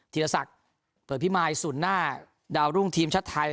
ธีรศักดิ์โดยพี่มายสุนหน้าดาวรุ่งทีมชัดไทย